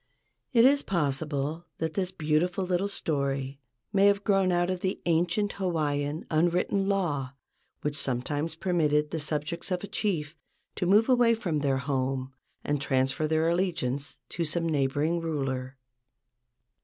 It is possible that this beautiful little story may have grown out of the ancient Hawaiian unwritten law which sometimes permitted the subjects of a chief to move away from their home and transfer their allegiance to some neighboring ruler.